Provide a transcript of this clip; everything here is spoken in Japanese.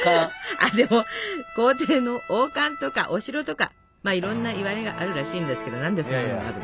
あでも皇帝の王冠とかお城とかいろんないわれがあるらしいんですけど何でそんなのがあるの？